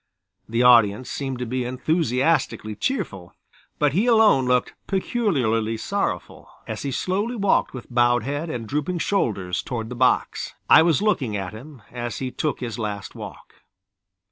The audience seemed to be enthusiastically cheerful, but he alone looked peculiarly sorrowful, as he slowly walked with bowed head and drooping shoulders toward the box. I was looking at him as he took his last walk.